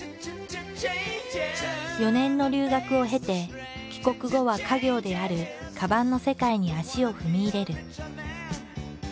４年の留学を経て帰国後は家業であるカバンの世界に足を踏み入れる。